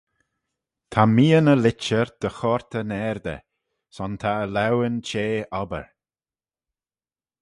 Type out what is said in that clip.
Ta mian y litcher dy choyrt eh naardey, son ta e laueyn chea obbyr.